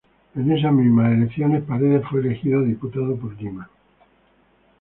En esas mismas elecciones, Paredes fue elegido Diputado por Lima.